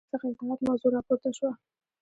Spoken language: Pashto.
له امام څخه اطاعت موضوع راپورته شوه